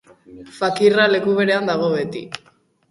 Fakirra leku berean dago beti.